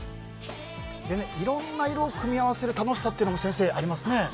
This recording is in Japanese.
いろんな色を組み合わせる楽しさも先生、ありますね。